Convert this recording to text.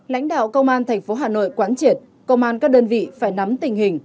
lãnh đạo công an tp hà nội quán triệt công an các đơn vị phải nắm tình hình